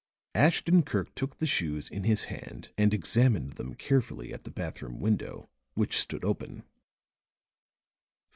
Ashton Kirk took the shoes in his hand and examined them carefully at the bathroom window, which stood open.